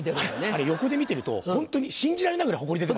あれ横で見てるとホントに信じられないぐらいホコリ出てますもんね。